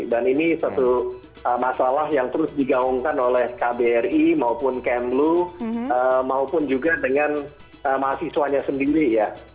dan ini satu masalah yang terus digaungkan oleh kbri maupun kemlu maupun juga dengan mahasiswanya sendiri ya